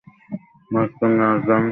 মাঝখানে আজান, আবরার পিছনে কালো?